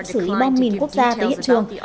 xử lý bom mìn quốc gia tới hiện trường